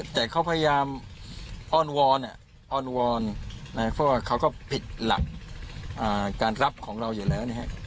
แต่เขาพยายามอ้อนวอนเพราะว่าเขาก็ผิดหลักการรับของเราอยู่แล้ว